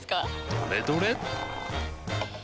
どれどれっ！